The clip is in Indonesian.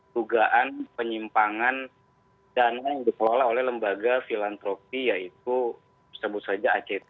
dugaan penyimpangan dana yang dikelola oleh lembaga filantropi yaitu sebut saja act